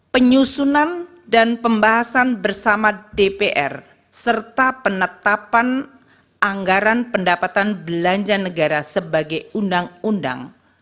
penyusunan dan pembahasan bersama dpr serta penetapan anggaran pendapatan belanja negara sebagai undang undang